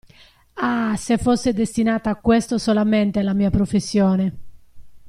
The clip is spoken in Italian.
Ah se fosse destinata a questo solamente la mia professione!